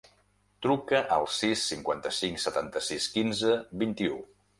Truca al sis, cinquanta-cinc, setanta-sis, quinze, vint-i-u.